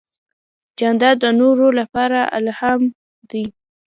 جانداد د نورو لپاره الهام دی.